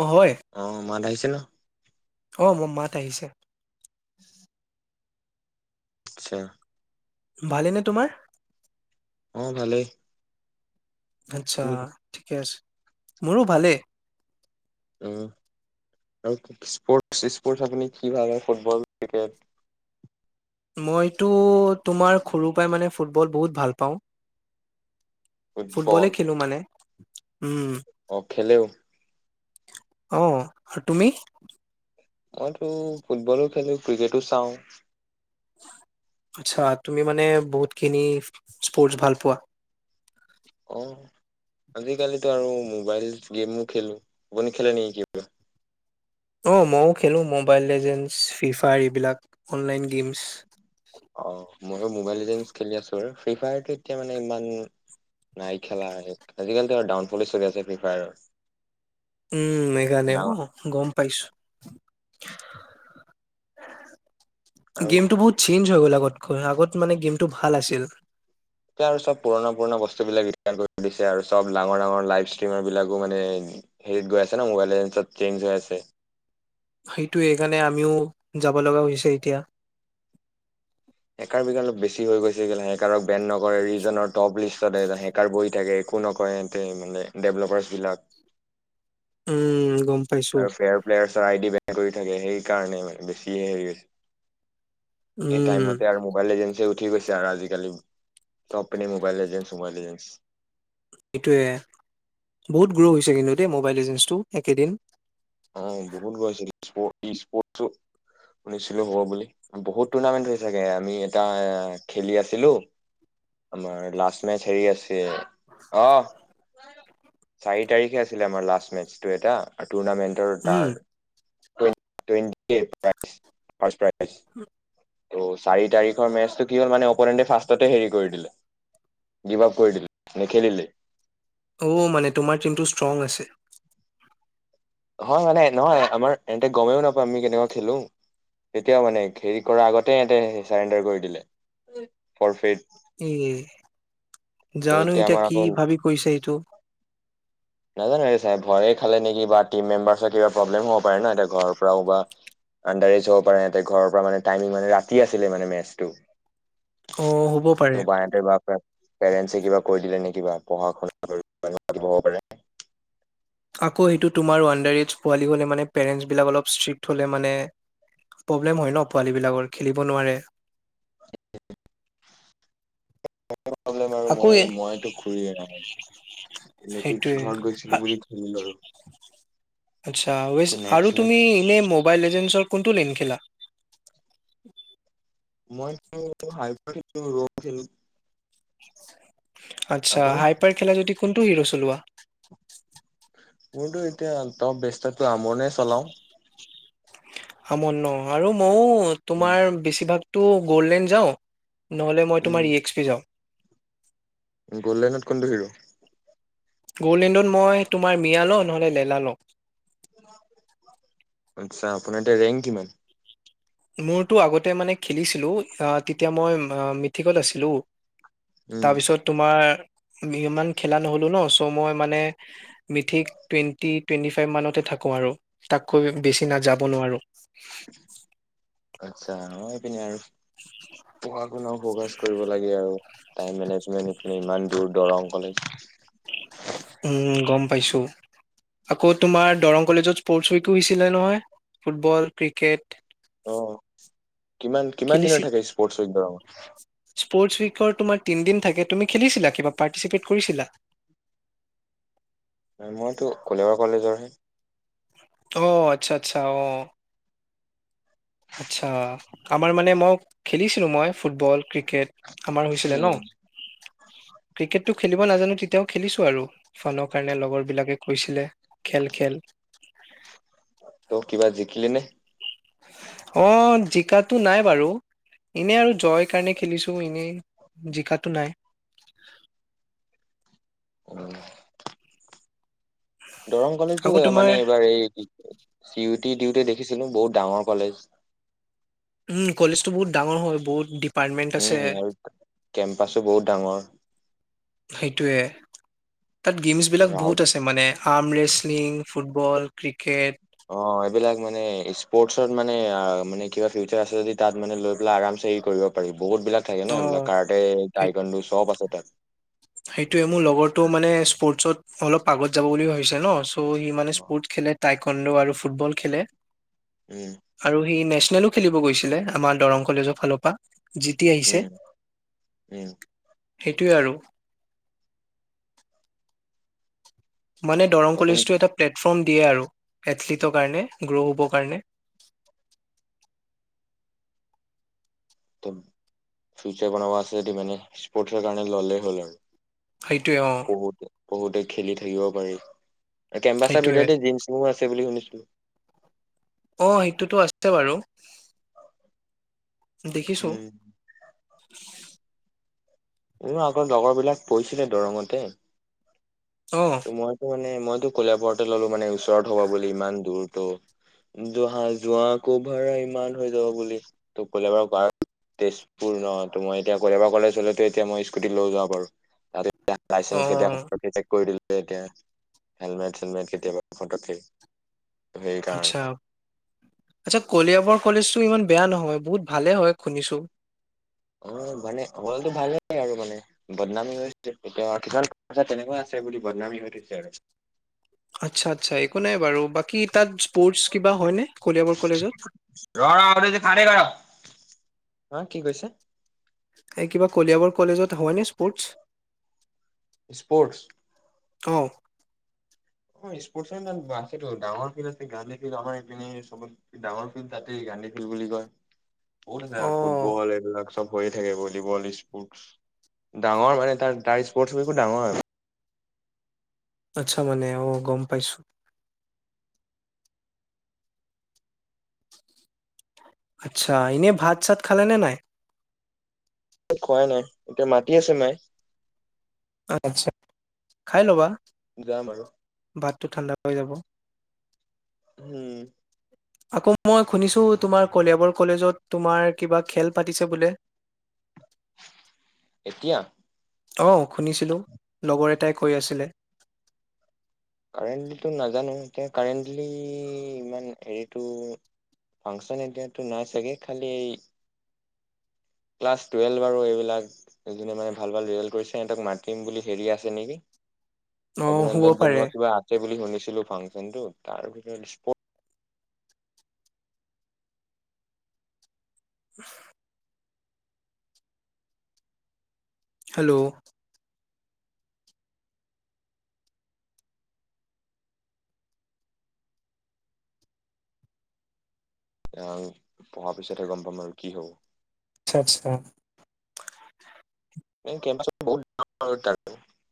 অ হয় অ', মানে য [unintelligible] অ' মোৰ মাত আহিছে। আচ্ছা। ভালেইনে তোমাৰ? অ' ভালেই। আচ্ছা, আপুনি ঠিকে আছে। মোৰো ভালে। উম, আৰু স্পৰ্ট-চিস্পৰ্ট আপুনি কি ভাল হয়, ফুটবল, ক্ৰিকেট? মইতো, তোমাৰ সৰুৰ পৰাই মানে ফুটবল বহুত ভাল পাওঁ। ফুটবল ফুটবলেই খেলো মানে। [inaudible] অ' খেলেও। অ', আৰু তুমি? মইতো ফুটবলো খেলো, ক্ৰিকেটো চাওঁ। আচ্ছা, তুমি মানে বহুতখিনি স্পৰ্টছ ভাল পোৱা? অ', আজিকালিতো আৰু মোবাইল গেমো খেলো, আপুনি খেলে নেকি কিবা? অ', ময়ো খেলো ম'বাইল লেজেণ্ডছ, ফ্ৰী ফায়াৰ, এইবিলাক, অনলাইন গেমছ। অ', ময়ো ম'বাইল লিজেণ্ডছ খেলি আছো বাৰু। ফ্ৰী ফায়াৰটো এতিয়া মানে ইমান নাই খেলা আজিকালিতো ডাউনফলে চলি আছে ফ্ৰী ফায়াৰৰ উম মেঘালয় অ ডাঙৰ গম পাইছো আ হাহ আৰু গেম টো বহুত চেঞ্জ হৈ গ'ল আগতকৈ আগত মানে গেমটো ভাল আছিল এতিয়া আৰু চব পুৰণা পুৰণা বস্তুবিলাক ৰিটাৰ্ণ কৰি দিছে আৰু চব ডাঙৰ ডাঙৰ লাইভ ষ্ট্ৰিমাৰ বিলাকো মানে হেৰিত গৈ আছে ন মোবাইল লিজেণ্ডত চেঞ্জ হৈ আছে সেইটো এইেইকাৰণে আমিও যাব লগা হৈছে এতিয়া হেকাৰ বিলাক অলপ বেছি ছি হৈ গৈছে হেকাৰক বেন নকৰে ৰিজনৰ টপ লিষ্টত হেকাৰ বহি থাকে একো নকৰে ডে ডেভলপাৰ্চ বিলাক উম গম পাইছো আৰু ফেয়াৰ প্লেয়াৰচৰ আইডি বেন কৰি থাকে সেইকাৰণে মানে বেছিয়ে হেৰি হৈছে এই উম, তাইমতে আৰু মোবাইল লিজেণ্ডছে ঠিক কৈছা আৰু আজিকালি চব পিনে মোবাইল এজেন্স মোবাইল এজেন্স এইটোৱে বহুত গ্ৰ' হৈছে কিন্তু দেই মোবাইল এগেন্সটো এইকেইদিন অ বহুত গৈছিলে স্পৰ্ট শুনিছিলো হব বুলি বহুত টুৰ্ণামেন্ট হৈ চাগে আমি এটা খেলি আছিলো আমাৰ লাষ্ট মেচ হেৰি আছে অ [unintelligible] চাৰি তাৰিখে আছিলে আমাৰ লাষ্ট মেচটো এটা টোৰনামেণ্ট উম, তাৰ টেণ্টি প্ৰ ফ্ষ প্ৰ [inaudible] আছ ত' চাৰি তাৰিখৰ মেচটো কি হ'ল মানে অপনেণ্টে ফাৰ্ষ্টতে হেৰি কৰি দিলে গিভ আপ কৰি দিলে নেখেলিলে অ মানে তোমাৰ টিমটো ষ্ট্ৰং আছে হয় মানে নহয় আমাৰ ইয়াতে গমেই নাপায় আমি কেনেকুৱা খেলো তেতিয়াও মানে হেৰি কৰাৰ আগতেতে চাৰেণ্ডাৰ কৰি দিলে ফৰ উম জানো এতিয়া আমাৰ কি আকৌ ভাবি কৰিছে এইটো নাজানো এই চাই ভয়ে খালে নেকি বা টিম মেম্বাৰ্চৰ কিবা প্ৰব্লেম হব পাৰে ন এ ঘৰৰ পৰাও বা আণ্ডাৰেজ হব পাৰে ঘৰৰ পৰা মানে টাইমিং মানে ৰাতি আছিলে মানে মেচটো অ হ'ব পাৰে পেৰেন্টচে কিবা কৰি দিলে নেকি [inaudible] পাৰে আকৌ সেইটো তোমাৰ আণ্ডাৰজ পোৱালি হ'লে মানে পেৰেণ্টচবিলাক অলপ ষ্ট্ৰিক্ট হ'লে মানে প্ৰব্লেম হয় ন পোৱালি বিলাকৰ খেলিব নোৱাৰে প্ৰবলেম আৰু আকৌ মই মইতো ঘুৰিন নটি সেইটোয়ে। ঘৰত গৈছিলো বুলি ধৰিলো আৰু আচ্ছা আকৌ নেক্সট আৰু মেচ তুমি এনে মোবাইল এজেন্সিৰ কোনটো [unintelligible] মই হাইো ৰংছিলো [inaudible] আচ্ছা হাইপাৰ খেলা যদি কোনটো হিৰো চলোৱা মোৰতো এতিয়া ত ব্যস্তটো আমৰনে চলাও আমন্য আৰু অ উম তোমাৰ বেছিভাগতো গ'ল্ডলেণ্ড যাওঁ নহ'লে মই তোমাৰ ই উম এক্স পি যাওঁ গ'ল্ডেনত কোনটো হেৰি গলডেনত মই তোমাৰ মিয়া লওঁ নহ'লে লেলা লওঁ আচ্ছা আপোনাৰ এতিয়া ৰেংক কিমান মোৰতো আগতে মানে খেলিছিলোঁ তেতিয়া মই মিথিকত আছিলোঁ উম তাৰপিছত তোমাৰ ইমান খেলা নহ'লো ন চ' মই মানে মিথিক টুৱেণ্টি টুৱেণ্টি ফাইভ মানতে থাকো আৰু তাককৈ বেছি নাযাব নোৱাৰো আচ্ছা নপিনে আৰু পঢ়া শুনা ফকাচ কৰিব লাগে আৰু টাইম মেনেজমেন্ট এফালে ইমান দূৰ দৰং কলে উম গম পাইছো আকৌ তোমাৰ দৰং কলেজত স্পৰ্টচ উইকো কৰিছিলে নহয় ফুটবল ক্ৰিকেট আহ কিমান কিমান দিনৰত খেলিছিল থাকে স্পৰ্টছৰত বাৰু স্পৰ্টছ উইকৰ তোমাৰ তিনিদিন থাকে তুমি খেলিছিলা কিবা পাৰ্টিচিপেট কৰিছিলা মইতো কলাবৰ কলেজৰহে অ আচ্ছা আচ্ছা অ আচ্ছা আমাৰ মানে মোক খেলিছিলো মই ফুটবল ক্ৰিকেট আমাৰ হৈছিলে ন উম ক্ৰিকেটটো খেলি নাজানো তেতিয়াও খেলিছো আৰু ফোনৰ কাৰণে লগৰ বিলাকে কৈছিলে খেল খেল খেলিনে অ জিকাটো নাই বাৰু এনে আৰু জয় কাৰণে খেলিছো এনে জিকাটো নাই উ দৰং কলেজো আকৌ তোমাৰ মানে এইবাৰ এই কি চি ইউটি ডিউটি দেখিছিলো বহুত ডাঙৰ কলেজ উম কলেজতটো বহুত ডাঙৰ হয় বহুত দপ উম আৰু কেম্পাছো বহুত ডাঙৰ সেইটোৱে তাত গেমছ বিলাক বহুত আছে মানে আম ৰেচলিং ফুটব ফুটবল ক্ৰিকেট অ এইবিলাক মানে স্পৰ্টছত মানে মানে কিবা ফিউচাৰ আছে যদি তাত মানে লৈ পেলে আৰাম চে কৰিব পাৰিব বহুত বিলাক থাকে অ ন এইবিলাক কাৰতে সেই টাইকণ্ডো চব আছে তাত সেইটোৱে মোৰ লগৰটো মানে স্পৰ্টছত অলপ পাগত যাব বুলি ভাবিছে ন। ত সি মানে স্পৰ্ট খেলে তাইক কণ্ড আৰু ফুটবল খেলে উম আৰু সি নেচনেলো খেলিব গৈছিলে আমাৰ দৰং কলেজৰ ফালৰ পৰা জিতি আহিছে উম উম সেইটোৱেআৰু [unintelligible] মানে ত' দৰং আপুনি কলিজটো এটা প্লে প্লেটফৰ্ম দিয়ে আৰু এথলিটৰ কাৰণে গ্ৰ' হ'বৰ কাৰণে ফিউচাৰ বনাব আছে যদি মানে স্পটৰ কাৰণে ললে হল আৰু সেইটোৱে অ বহুতে খেলি থাকিব প কেম্পাছৰ সেইটোৱে ভিতৰতে জিম চিম আছে আছে বুলি শুনিছিলো অ সেইটোতো আছে বাৰু দেখিছো উম উ আগৰ লগৰ বিলাক পৰিঢ়িছিলে দৰঙতে অ মই মে মানে কলাৰতে ললো মানে ওচৰত হ'ব বুলি ইমান দূৰ ত অহা যোৱা কভাৰ ইমান হৈ যাব বুলি ত কলোবাৰ ক তেজপুৰ ন ত মই এতিয়া কলোবাৰ কলেজ হলে তো এতিয়া মই স্কুটিত লৈ যাব পাৰো ত লাইচেন্স অ কেতিয়াবা আকৌ পতককে চেক কৰি দিলে এতিয়া হেলমেট চেলমেট কেতিয়াবা ফটো কে ত আচ্ছা সেইকাৰণে আচ্ছা কলিয়াবৰ কলেজটো ইমান বেয়া নহয় বহুত ভালে হয় শুনিছো অ মানে অলটো ভাল আৰু মানে বদনামীছে এতিয়া কিমান তেনেকুৱা আছে বুলি বদনামী হৈ থৈছে আৰু আচ্ছা আচ্ছা একো নাই বাৰু বাকী তাত স্পৰ্টছ কিবা হয়নে কলিয়াবৰ কলেজত হ কি কৈছা। এই কিবা কলিয়াবৰ কলেজত হয়নে স্পৰ্টছ স্পৰ্টছ আহ অ স্পৰ্ট আছেতো ডাঙৰ ফিল্ড আছে গান্ধী ফিল আমাৰ এইপনে চবত ডাঙৰ ফিল্ড তাতেই গান্ধী ফিল্ড বুলি কয় বহুত হয় অ ফুটবল এইবিলাক চব। হৈয়ে থাকে ভলীবল স্পৰ্টচ ডাঙৰ মানে তাৰ তাৰ স্পৰ্টছ সেইবোৰ ডাঙৰ আচ্ছা মানে অ গম পাইছো আচ্ছা এনেই ভাত চাত খালে নে নাই? খোৱাই নাই এতিয়া মাতি আছে মায় আচ্ছা খাই ল'বা। যাম আৰু টো ঠাণ্ডা হৈ যাব। হম। আকৌ মই শুনিছো তোমাৰ কলিয়াবৰ কলেজত তোমাৰ কিবা খেল পাতিছে বোলে। এতিয়া আহ শুনিছিলো লগৰ এটাই। কৰি আছিলে। কাৰেণ্টলিটো নাজানো এতিয়া কাৰেণ্টলি ইমান হেৰিটো ফাংচন আইডিয়াটো নাই চাগে খালি ক্লাছ টুৱেল্ভ আৰু এইবিলাক যোনে মানে ভাল ভাল ৰিজাল্ট কৰিছে সিহঁতক মাতিম বুলি হেৰি আছে নেকি অ শুব অভিনন্দন পাৰে জনোৱা কিবা আছে বুলি শুনিছিলো ফাং কিন্তু তাৰ ভিতৰত স্পৰ্ত। [unintelligible] হেল্ল' তেওঁ পঢ়াৰ পিছতহে গম পাম আৰু কি হব। আচ্ছা আচ্ছা। [unintelligible]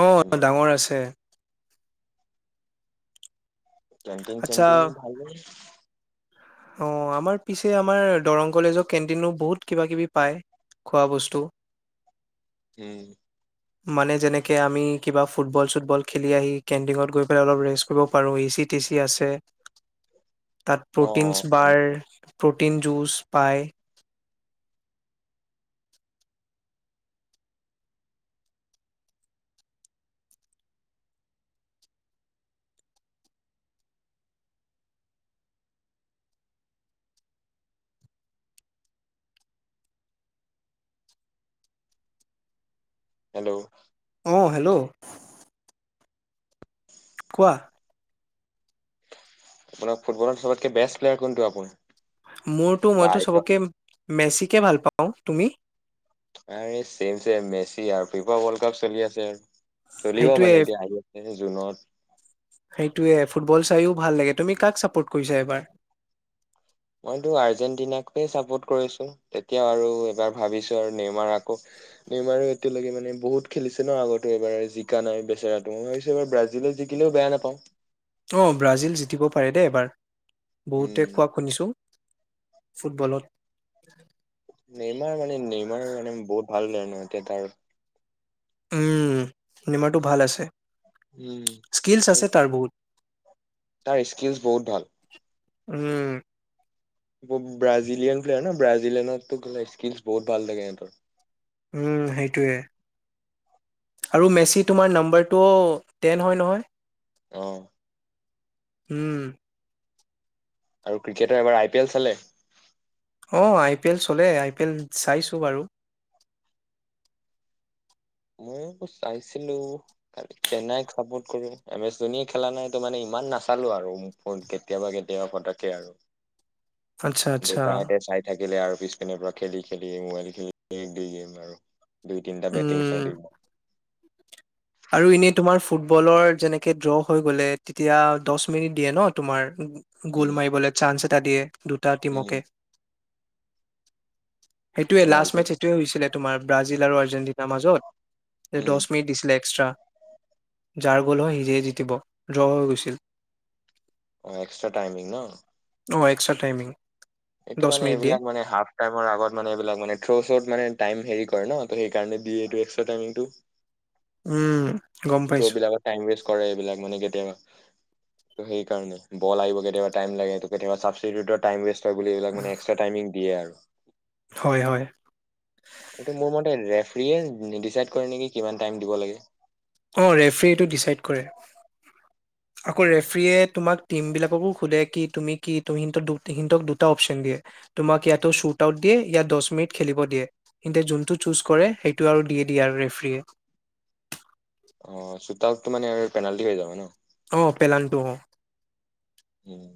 অহ এনে ডাঙৰ আছে। কেন্টিন আচ্ছা চেণ্টিন ভাল। অ আমাৰ পিছে আমাৰ দৰং কলেজৰ কেণ্টিনো বহুত কিবা কিবি পায় খোৱা বস্তু। উম। মানে যেনেকে আমি কিবা ফুটবল চুটবল খেলি আহি কেণ্টিঙত গৈ পেলাই অলপ ৰেষ্ট কৰিব পাৰো এ চি টি চি আছে। অ কিংছ বাৰ অ' প্ৰটিন জুচ পায়। হেল্ল' অ হেল্ল' কোৱা আপোনাৰ ফুটবলৰ সবতকে বেষ্ট প্লেয়াৰ কোনটো আপোনাৰ? মোৰতো মইতো বাই চবকে মেচিকে ভাল পাওঁ তুমি আৰে চেম চেম মেচি আৰু ফিফা ৱৰ্ল্ড কাপ চলি আছে আৰু চলিব সেইটোয়ে মানে দিয়া আহি আছে। এই জুনত সেইটোৱে ফুটবল চাইও ভাল লাগে তুমি কাক চাপোৰ্ট কৰিছা এইবাৰ মইতো আৰ্জেণ্টিনাকে চাপোৰ্ট কৰিছো তেতিয়াও আৰু এবাৰ ভাবিছো আৰু নেমাৰ আকৌ নেমাৰো এতিয়ালৈকোনে বহুত খেলিছে ন আগতো এবাৰ জিকা নাই বেচেৰাটো মই ভাবিছোবাৰ ব্ৰাজিলে জিকিলেও বেয়া নাপাওঁ। অ ব্ৰাজিল জিকিব পাৰে দেই এবাৰ। বহুতে উম কোৱা শুনিছোঁ। ফুটবলত। নেইমাৰ মানে নেইমাৰ মানে বহুত ভাল ন এতিয়া তাৰ। উম নিমাটো ভাল আছে। উম স্কিলছ আছে আৰু তাৰ বহুত। তাৰ স্কিলছ বহুত ভাল। উম। ব্ৰাজিলিয়ান প্লেয়াৰ ন? ব্ৰাজিলিয়ানতো গ'লে স্কিলছ বহু ভাল লাগে ইহতৰ। উম সেইটোৱে আৰু মেচি তোমাৰ নাম্বাৰটোও টেন হয় নহয়। অ। উম। আৰু ক্ৰিকেটৰ এইবাৰ আই পি এল চালে? অ আই পি এল চলে, আই পি এল চাইছোঁ বাৰু। মই চাইছিলো। চেন্নাইক চাপোৰ্ট কৰো। এম এছ ধোনীয়ে খেলা নাই তো মানে ইমান নাচালো আৰু মই কেতিয়াবা কেতিয়াবা ফটকে আৰু আচ্ছা, আচ্ছা। ডেকাহঁতে চাই থাকিলে আৰু পিছপিনৰ পৰা খেদি খেদি আৰু দুই গেম মাৰো। দুই তিনিটা বেড তিনি উম, চাৰি দিন মান তিন আৰু এনেই তোমাৰ ফুটবলৰ যেনেকে ড্ৰ হৈ গলে তেতিয়া দছ মিনিট দিয়ে ন তোমাৰ? উম গ'ল মাৰিবলৈ চান্ঞ্চ এট এটা দিয়ে এটা দুটা উম টীমকে সেইটোৱে লাষ্ট পেনাল্টি মেচ এইটোৱে হৈছিলে। তোমাৰ ব্ৰাজিল আৰু আৰ্জেন্টিনাৰ মাজত? উম দছ মিনিট দিছিলে। এক্সটা যাৰ গ'ল হয় সিয়ে জকিব। ড্ৰ হৈ গৈছিল। অ, এক্সটা টাইমিং ন? অ, এক্সট্ৰা টাইমিং। এইটো দহ মানে মিনিট দিয়ে। এইবিলাক মানে হাৰ্ফ টাইমৰ আগতমানে এইবিলাক মানে থ্ৰ-শ্ৰত মানে টাইম হেৰি হয় ন? ত সেইকাৰণে দিয়ে এইটো এক্সটা টাইমিংটো? উম গম পাইছো। চববিলাকৰ টাইম ৱেষ্ট সেইবিলাক মানে কেতিয়াবা। সেইকাৰণেই, বল আহিব গ'লে টাইম লাগে তেতিয়া ধৰা চাবচিতিওতৰ টাইম ৱেষ্ট সেইবুলি এইবিলাক মানে এক্সা টাইমিং দিয়ে আৰু। [unintelligible] হয়, হয়। এইটো মোৰ মতে যে পি এ দি ডিচাইড কৰে নেকি কিমান টাইম দিব লাগে। অ, ৰেফৰীটো ডিচাইড কৰে। আকৌ ৰেফ্ৰীয়ে তোমাক টিমবিলাককো সোধে কি তুমি কি তুমি সিহ সিহঁক দুটা অপচন দিয়ে। তোমাক ইয়াতো শ্বুট আউট দিয়ে ইয়া দছ মিনিট খেলিব দিয়ে। সিহঁতে যোনটো চুজ কৰে সেইটো আৰু দি দিয়ে আৰু ৰেফৰীয়ে। অ শ্বুট আউট তো মানে পেনালিটি হৈ যাব ন অহ পেনালিতি হও উম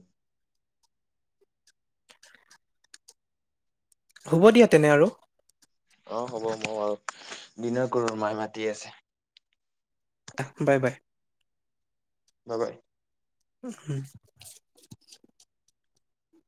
হ'ব দিয়া তেনে আৰু অহ হ'ব মই বাৰু দিনাৰ কৰোঁ মায়ে মাতি আছে। অহ বাই বাই বাই বাই হম